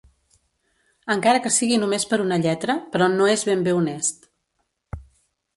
Encara que sigui només per una lletra, però no és ben bé honest.